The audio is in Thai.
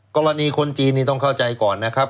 กรณีคนจีนนี่ต้องเข้าใจก่อนนะครับ